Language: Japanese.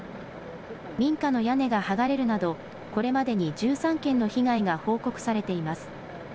民家の屋根が剥がれるなどこれまでに１３件の被害が報告されています。